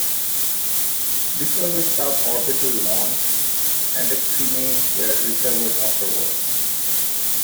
This was a sub-orbital launch, and the cremains were recovered afterwards.